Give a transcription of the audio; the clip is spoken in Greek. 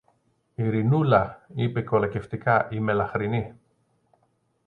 Ειρηνούλα, είπε κολακευτικά η μελαχρινή